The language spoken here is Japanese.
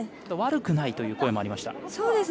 悪くないという声もありました。